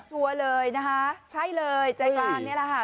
ชัวร์เลยนะคะใช่เลยใจกลางนี่แหละค่ะ